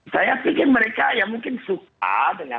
saya pikir mereka ya mungkin suka dengan